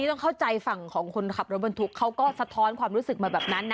ต้องเข้าใจฝั่งของคนขับรถบรรทุกเขาก็สะท้อนความรู้สึกมาแบบนั้นนะ